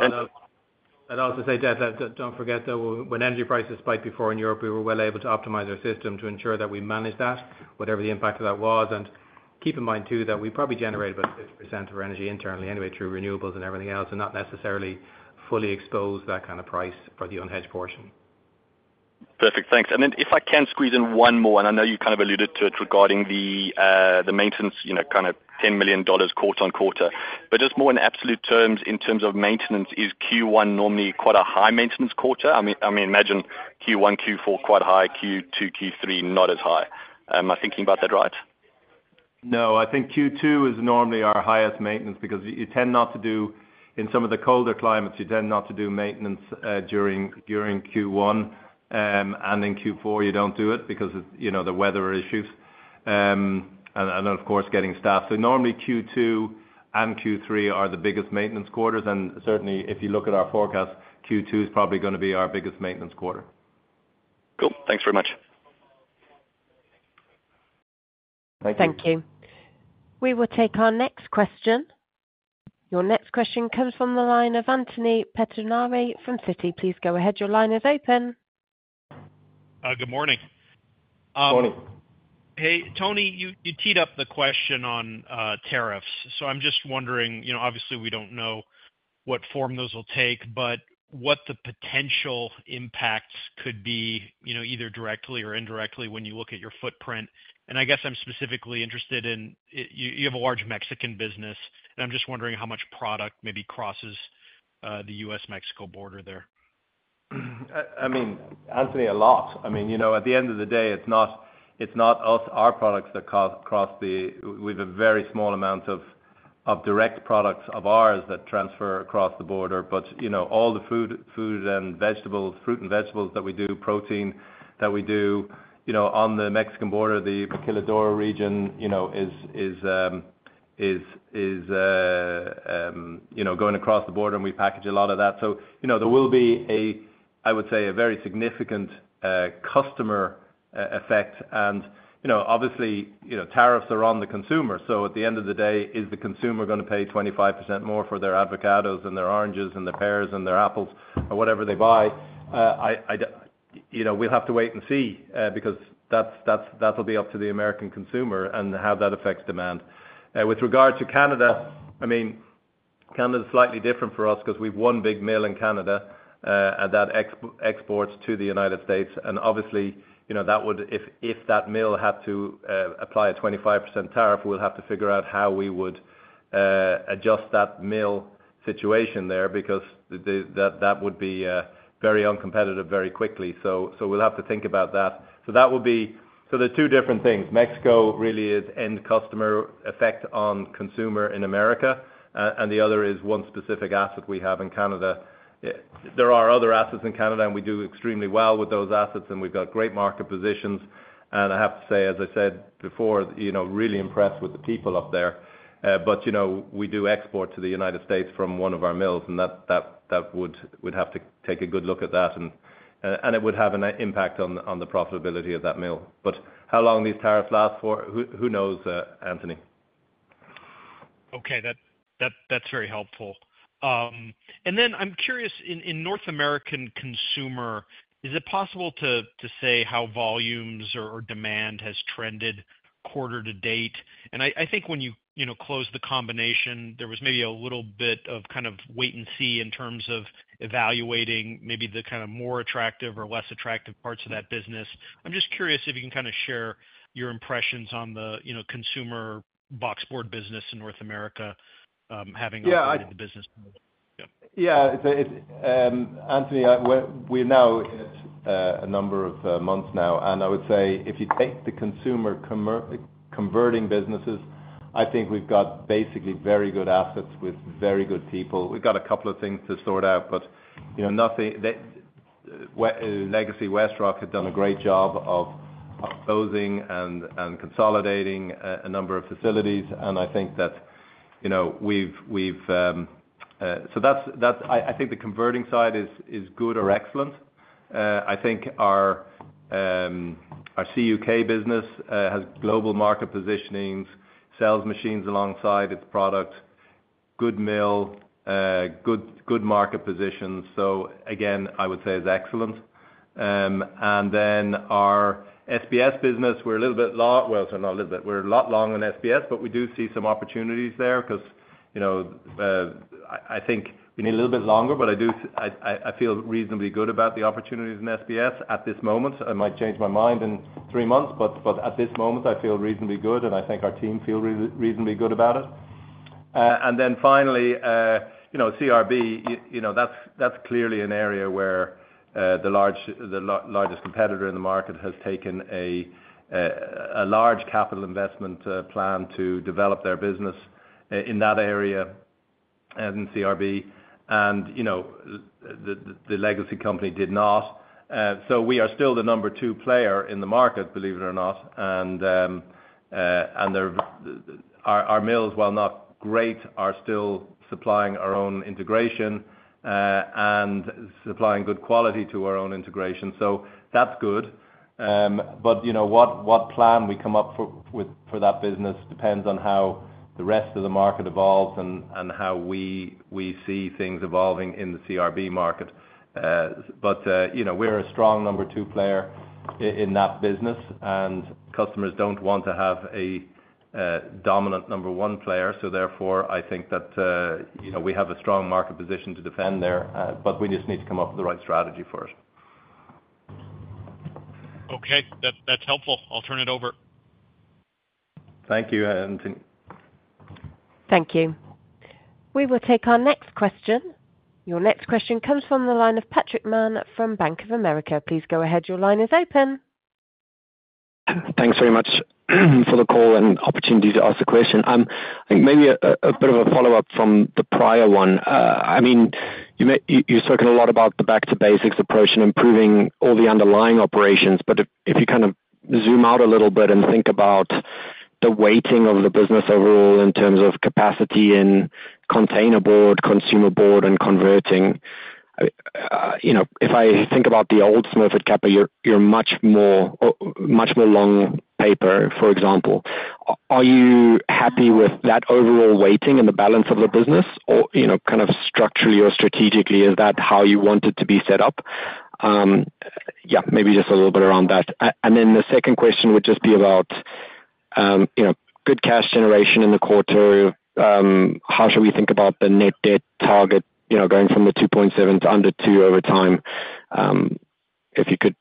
And I'll also say, Detlef, don't forget, though, when energy prices spiked before in Europe, we were well able to optimize our system to ensure that we managed that, whatever the impact of that was. And keep in mind, too, that we probably generate about 50% of our energy internally anyway through renewables and everything else, and not necessarily fully expose that kind of price for the unhedged portion. Perfect. Thanks. And then if I can squeeze in one more, and I know you kind of alluded to it regarding the maintenance kind of $10 million quarter on quarter. But just more in absolute terms, in terms of maintenance, is Q1 normally quite a high maintenance quarter? I mean, imagine Q1, Q4 quite high, Q2, Q3 not as high. Am I thinking about that right? No. I think Q2 is normally our highest maintenance because you tend not to do in some of the colder climates. You tend not to do maintenance during Q1. And in Q4, you don't do it because of the weather issues. And then, of course, getting staff. So normally, Q2 and Q3 are the biggest maintenance quarters. And certainly, if you look at our forecast, Q2 is probably going to be our biggest maintenance quarter. Cool. Thanks very much. Thank you. Thank you. We will take our next question. Your next question comes from the line of Anthony Pettinari from Citi. Please go ahead. Your line is open. Good morning. Morning. Hey, Tony, you teed up the question on tariffs. So I'm just wondering, obviously, we don't know what form those will take, but what the potential impacts could be either directly or indirectly when you look at your footprint. And I guess I'm specifically interested in you have a large Mexican business, and I'm just wondering how much product maybe crosses the U.S.-Mexico border there. I mean, Anthony, a lot. I mean, at the end of the day, it's not our products that cross the border. We have a very small amount of direct products of ours that transfer across the border. But all the food and vegetables, fruit and vegetables that we do, protein that we do on the Mexican border, the Querétaro region is going across the border, and we package a lot of that. So there will be, I would say, a very significant customer effect. And obviously, tariffs are on the consumer. So at the end of the day, is the consumer going to pay 25% more for their avocados and their oranges and their pears and their apples or whatever they buy? We'll have to wait and see because that'll be up to the American consumer and how that affects demand. With regard to Canada, I mean, Canada is slightly different for us because we've one big mill in Canada that exports to the United States. And obviously, if that mill had to apply a 25% tariff, we'll have to figure out how we would adjust that mill situation there because that would be very uncompetitive very quickly. So we'll have to think about that. So that will be so there are two different things. Mexico really is end customer effect on consumer in America. And the other is one specific asset we have in Canada. There are other assets in Canada, and we do extremely well with those assets. And we've got great market positions. And I have to say, as I said before, really impressed with the people up there. But we do export to the United States from one of our mills, and that would have to take a good look at that. And it would have an impact on the profitability of that mill. But how long these tariffs last for? Who knows, Anthony? Okay. That's very helpful. And then I'm curious, in North American consumer, is it possible to say how volumes or demand has trended quarter to date? And I think when you close the combination, there was maybe a little bit of kind of wait and see in terms of evaluating maybe the kind of more attractive or less attractive parts of that business. I'm just curious if you can kind of share your impressions on the consumer boxboard business in North America having already the business. Yeah. Anthony, we're now in it a number of months now. And I would say if you take the consumer converting businesses, I think we've got basically very good assets with very good people. We've got a couple of things to sort out, but legacy WestRock had done a great job of closing and consolidating a number of facilities. And I think that we've so I think the converting side is good or excellent. I think our CUK business has global market positionings, sells machines alongside its products, good mill, good market positions. So again, I would say it's excellent. And then our SBS business, we're a little bit well, so not a little bit. We're a lot longer in SBS, but we do see some opportunities there because I think we need a little bit longer. But I feel reasonably good about the opportunities in SBS at this moment. I might change my mind in three months, but at this moment, I feel reasonably good, and I think our team feels reasonably good about it, and then finally, CRB, that's clearly an area where the largest competitor in the market has taken a large capital investment plan to develop their business in that area in CRB. The legacy company did not, so we are still the number two player in the market, believe it or not. Our mills, while not great, are still supplying our own integration and supplying good quality to our own integration, so that's good, but what plan we come up with for that business depends on how the rest of the market evolves and how we see things evolving in the CRB market, but we're a strong number two player in that business. Customers don't want to have a dominant number one player. So therefore, I think that we have a strong market position to defend there. But we just need to come up with the right strategy first. Okay. That's helpful. I'll turn it over. Thank you, Anthony. Thank you. We will take our next question. Your next question comes from the line of Patrick Mann from Bank of America. Please go ahead. Your line is open. Thanks very much for the call and opportunity to ask the question. I think maybe a bit of a follow-up from the prior one. I mean, you've spoken a lot about the back-to-basics approach and improving all the underlying operations. But if you kind of zoom out a little bit and think about the weighting of the business overall in terms of capacity in containerboard, consumer board, and converting, if I think about the old Smurfit Kappa, you're much more long paper, for example. Are you happy with that overall weighting and the balance of the business? Or kind of structurally or strategically, is that how you want it to be set up? Yeah, maybe just a little bit around that. And then the second question would just be about good cash generation in the quarter. How should we think about the net debt target going from the 2.7 to under 2 over time? If you could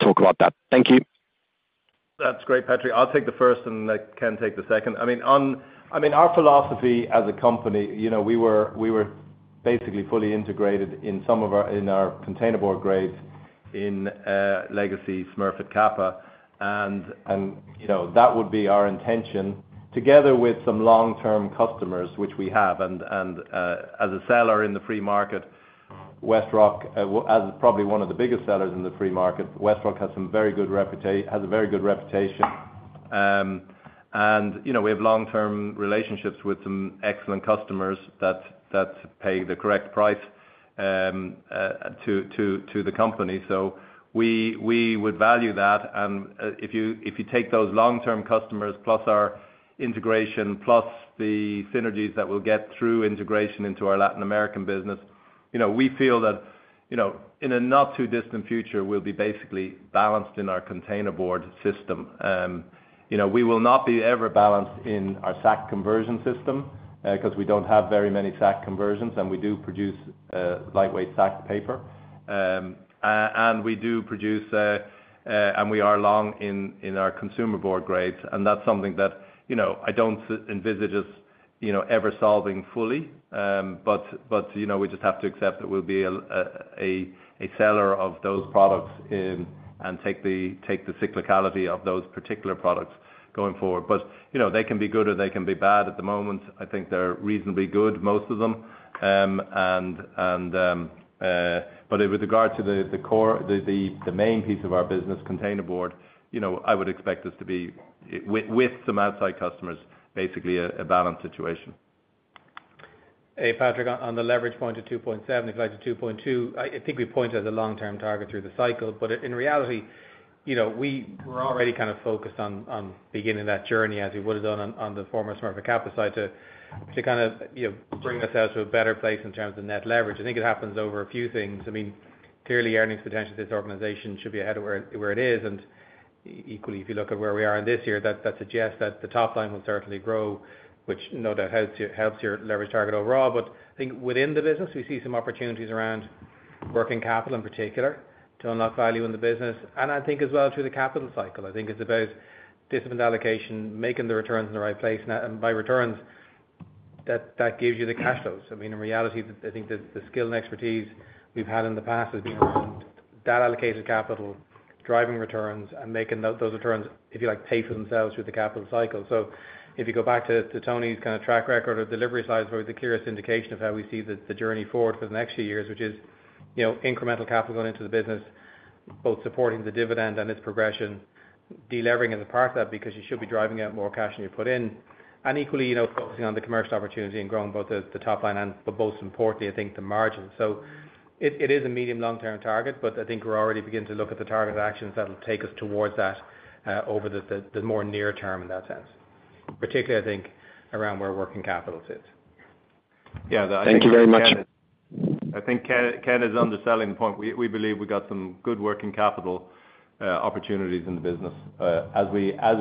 talk about that. Thank you. That's great, Patrick. I'll take the first, and I can take the second. I mean, our philosophy as a company, we were basically fully integrated in some of our containerboard grades in legacy Smurfit Kappa. And that would be our intention together with some long-term customers, which we have. And as a seller in the free market, Westrock, as probably one of the biggest sellers in the free market, Westrock has a very good reputation. And we have long-term relationships with some excellent customers that pay the correct price to the company. So we would value that. And if you take those long-term customers plus our integration plus the synergies that we'll get through integration into our Latin American business, we feel that in a not-too-distant future, we'll be basically balanced in our containerboard system. We will not be ever balanced in our SAC conversion system because we don't have very many SAC conversions. And we do produce lightweight SAC paper. And we do produce, and we are long in our consumer board grades. And that's something that I don't envisage us ever solving fully. But we just have to accept that we'll be a seller of those products and take the cyclicality of those particular products going forward. But they can be good or they can be bad at the moment. I think they're reasonably good, most of them. And but with regard to the main piece of our business, container board, I would expect us to be with some outside customers, basically a balanced situation. Hey, Patrick, on the leverage point of 2.7, if you'd like to 2.2, I think we point as a long-term target through the cycle. But in reality, we were already kind of focused on beginning that journey as we would have done on the former Smurfit Kappa side to kind of bring us out to a better place in terms of net leverage. I think it happens over a few things. I mean, clearly, earnings potential at this organization should be ahead of where it is. And equally, if you look at where we are in this year, that suggests that the top line will certainly grow, which no doubt helps your leverage target overall. But I think within the business, we see some opportunities around working capital in particular to unlock value in the business. And I think as well through the capital cycle. I think it's about capital allocation, making the returns in the right place, and by returns, that gives you the cash flows. I mean, in reality, I think the skill and expertise we've had in the past has been around that allocated capital, driving returns, and making those returns, if you like, pay for themselves through the capital cycle, so if you go back to Tony's kind of track record of delivery slides, probably the clearest indication of how we see the journey forward for the next few years, which is incremental capital going into the business, both supporting the dividend and its progression, delivering as a part of that because you should be driving out more cash than you put in, and equally, focusing on the commercial opportunity and growing both the top line and, but most importantly, I think the margin. It is a medium-long-term target, but I think we're already beginning to look at the target actions that will take us towards that over the more near term in that sense, particularly, I think, around where working capital sits. Yeah. Thank you very much. I think Ken is on the selling point. We believe we've got some good working capital opportunities in the business as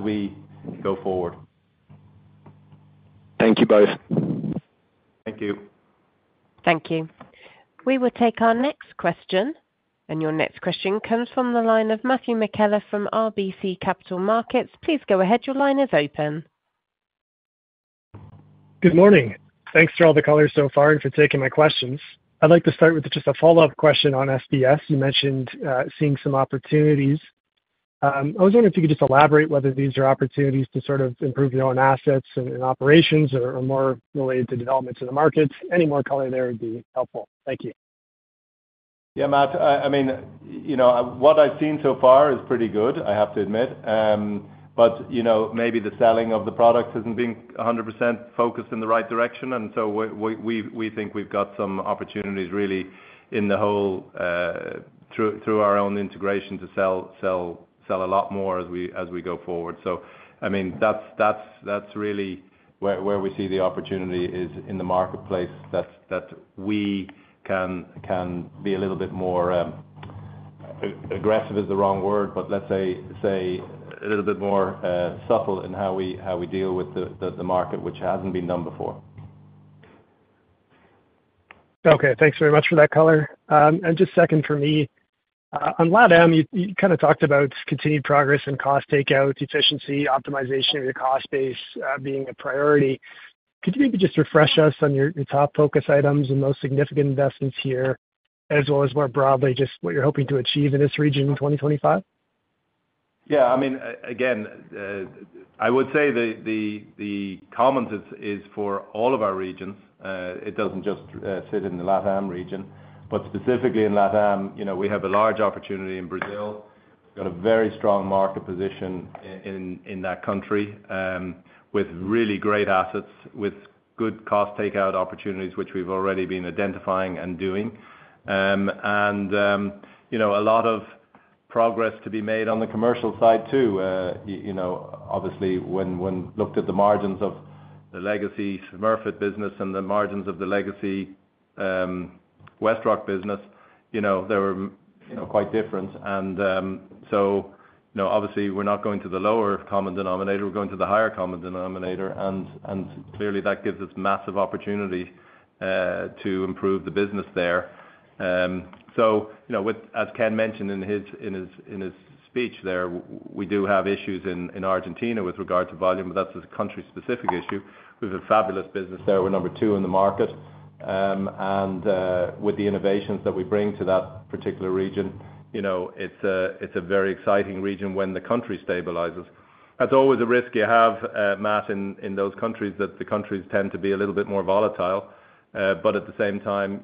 we go forward. Thank you both. Thank you. Thank you. We will take our next question. And your next question comes from the line of Matthew McKellar from RBC Capital Markets. Please go ahead. Your line is open. Good morning. Thanks for all the colors so far and for taking my questions. I'd like to start with just a follow-up question on SBS. You mentioned seeing some opportunities. I was wondering if you could just elaborate whether these are opportunities to sort of improve your own assets and operations or more related to developments in the market. Any more color there would be helpful. Thank you. Yeah, Matt. I mean, what I've seen so far is pretty good, I have to admit. But maybe the selling of the products hasn't been 100% focused in the right direction. And so we think we've got some opportunities really in the whole through our own integration to sell a lot more as we go forward. So I mean, that's really where we see the opportunity is in the marketplace that we can be a little bit more aggressive is the wrong word, but let's say a little bit more subtle in how we deal with the market, which hasn't been done before. Okay. Thanks very much for that color. And just second for me, on LatAm, you kind of talked about continued progress and cost takeout, efficiency, optimization of your cost base being a priority. Could you maybe just refresh us on your top focus items and most significant investments here, as well as more broadly just what you're hoping to achieve in this region in 2025? Yeah. I mean, again, I would say the commons is for all of our regions. It doesn't just sit in the LATAM region. But specifically in LATAM, we have a large opportunity in Brazil. We've got a very strong market position in that country with really great assets, with good cost takeout opportunities, which we've already been identifying and doing. And a lot of progress to be made on the commercial side too. Obviously, when looked at the margins of the legacy Smurfit business and the margins of the legacy WestRock business, they were quite different. And so obviously, we're not going to the lower common denominator. We're going to the higher common denominator. And clearly, that gives us massive opportunity to improve the business there. So as Ken mentioned in his speech there, we do have issues in Argentina with regard to volume, but that's a country-specific issue. We have a fabulous business there. We're number two in the market. And with the innovations that we bring to that particular region, it's a very exciting region when the country stabilizes. That's always a risk you have, Matt, in those countries that the countries tend to be a little bit more volatile. But at the same time,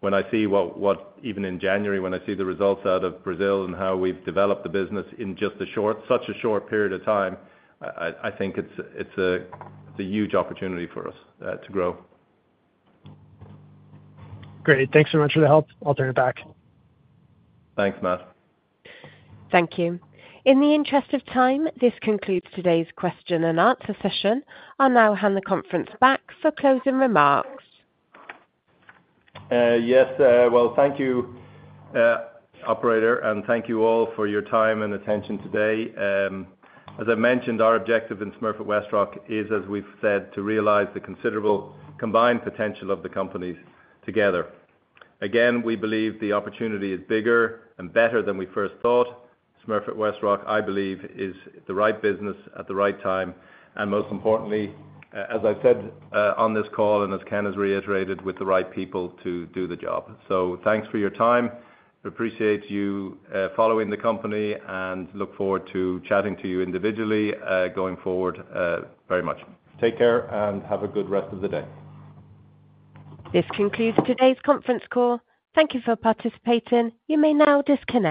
when I see what even in January, when I see the results out of Brazil and how we've developed the business in just such a short period of time, I think it's a huge opportunity for us to grow. Great. Thanks so much for the help. I'll turn it back. Thanks, Matt. Thank you. In the interest of time, this concludes today's question and answer session. I'll now hand the conference back for closing remarks. Yes. Well, thank you, operator. And thank you all for your time and attention today. As I mentioned, our objective in Smurfit Westrock is, as we've said, to realize the considerable combined potential of the companies together. Again, we believe the opportunity is bigger and better than we first thought. Smurfit Westrock, I believe, is the right business at the right time. And most importantly, as I've said on this call and as Ken has reiterated, with the right people to do the job. So thanks for your time. We appreciate you following the company and look forward to chatting to you individually going forward very much. Take care and have a good rest of the day. This concludes today's conference call. Thank you for participating. You may now disconnect.